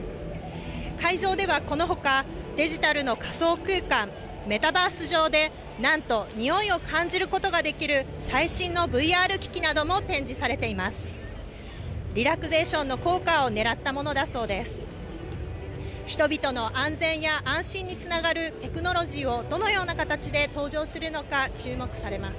会場ではこのほか、デジタルの仮想空間、メタバース上で、なんと匂いを感じることができる最新のＶＲ機器なども展示されています。